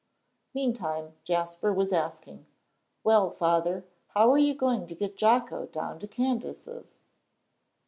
Meantime Jasper was asking, "Well, Father, how are you going to get Jocko down to Candace's?"